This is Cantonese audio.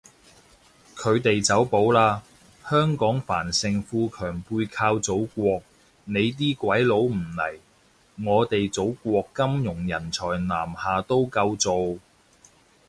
佢哋走寶喇，香港繁盛富強背靠祖國，你啲鬼佬唔嚟，我哋祖國金融人才南下都夠做